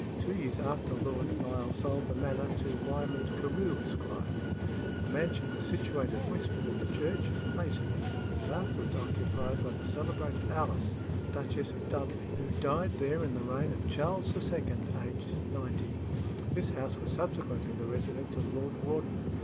Two years after Lord Lisle sold the manor to Wymond Carew, Esq. The mansion was situated westward of the church and facing it. It was afterwards occupied by the celebrated Alice, Duchess of Dudley, who died there in the reign of Charles II., aged ninety. This house was subsequently the residence of Lord Wharton.